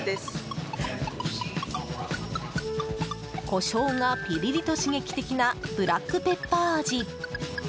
こしょうがピリリと刺激的なブラックペッパー味。